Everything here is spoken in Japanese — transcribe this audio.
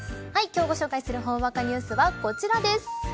今日ご紹介するほんわかニュースはこちらです。